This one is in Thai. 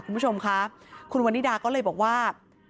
คุณผู้ชมค่ะคุณวันนิดาก็เลยบอกว่า